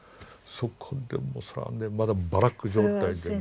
そこでもうまだバラック状態でね。